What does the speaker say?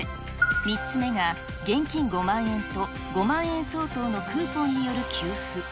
３つ目が、現金５万円と５万円相当のクーポンによる給付。